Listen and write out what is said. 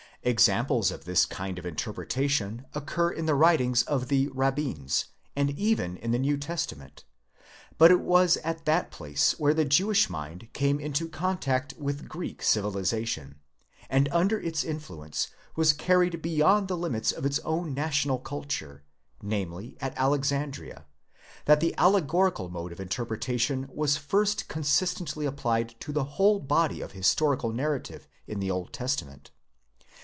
Examples of this system of interpretation occur in the writings of the Rabbins, and. even in the New Testament ;? but it was at that place where the Jewish mind came into contact with Greek civilization, and under its influence was carried beyond the limits of its own national culture—namely at Alexandria—that the allegorical mode of inter pretation was first consistently applied to the whole body of historical narra tive in the Old Testament.